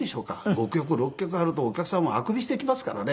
５曲６曲あるとお客さんもあくびしてきますからね。